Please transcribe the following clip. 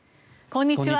こんにちは。